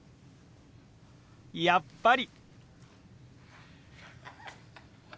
やっぱり！